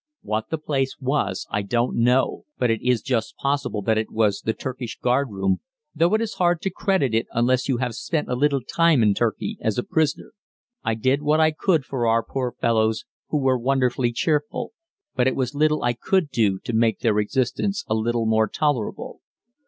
What the place was I don't know, but it is just possible that it was the Turkish guardroom, though it is hard to credit it unless you have spent a little time in Turkey as a prisoner. I did what I could for our poor fellows, who were wonderfully cheerful; but it was little I could do to make their existence a little more tolerable.